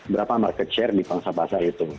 berapa market share di pangsa pasar itu